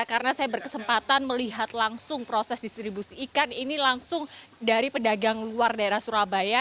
karena saya berkesempatan melihat langsung proses distribusi ikan ini langsung dari pedagang luar daerah surabaya